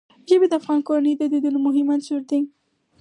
ژبې د افغان کورنیو د دودونو مهم عنصر دی.